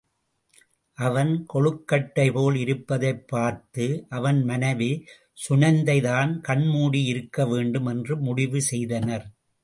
அவன் கொழுக்கட்டைபோல் இருப்பதைப் பார்த்து அவன் மனைவி சுநந்தைதான் கண்மூடி இருக்கவேண்டும் என்று முடிவு செய்தனர்.